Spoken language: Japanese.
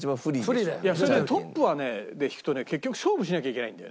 それでトップはね引くとね結局勝負しなきゃいけないんだよね。